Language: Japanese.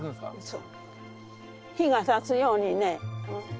そう。